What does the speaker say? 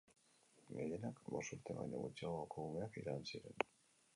Gehienak bost urte baino gutxiagoko umeak izan ziren.